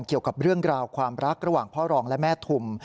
เกี่ยวกับเรื่องราวความรักระหว่างพ่อรองและแม่ทุม